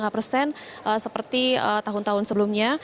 rp empat lima persen seperti tahun tahun sebelumnya